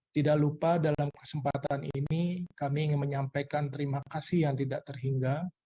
tidak lupa dalam kesempatan ini kami ingin menyampaikan terima kasih yang tidak terhingga